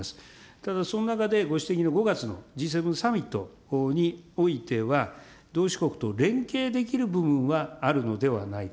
ただ、その中でご指摘の５月のＧ７サミットにおいては、同志国と連携できる部分はあるのではないか。